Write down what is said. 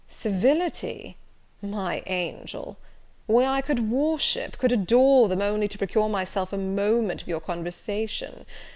"Civility! my angel, why I could worship, could adore them, only to procure myself a moment of your conversation!